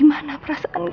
bapak tahu sayang